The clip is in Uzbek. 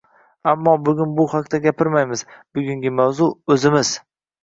ammo bugun bu haqda gapirmaymiz, bugungi mavzu – o‘zimiz.